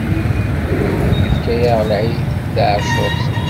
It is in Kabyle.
Ifka-yaɣ lεid i tεacurt.